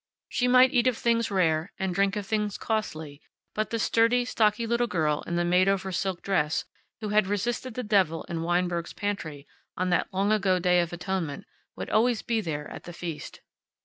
She might eat of things rare, and drink of things costly, but the sturdy, stocky little girl in the made over silk dress, who had resisted the Devil in Weinberg's pantry on that long ago Day of Atonement, would always be there at the feast.